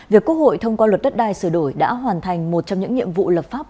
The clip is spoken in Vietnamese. việc quốc hội thông qua luật đất đai sửa đổi đã hoàn thành một trong những nhiệm vụ lập pháp